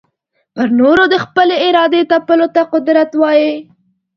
پر نورو د خپلي ارادې تپلو ته قدرت وايې.